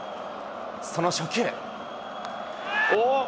その初球。